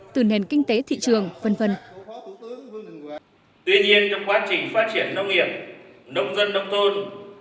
tuy nhiên trong quá trình phát triển nông nghiệp nông dân nông thôn